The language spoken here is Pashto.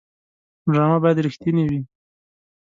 ډرامه باید رښتینې وي